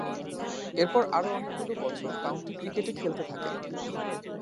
এরপর আরও অনেকগুলো বছর কাউন্টি ক্রিকেটে খেলতে থাকেন।